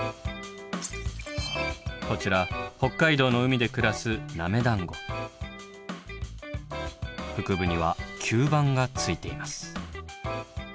こちら北海道の海で暮らす腹部には吸盤がついています。